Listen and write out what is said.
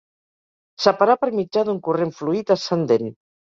Separar per mitjà d'un corrent fluid ascendent.